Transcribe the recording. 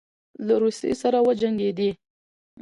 له روسیې سره وجنګېدی.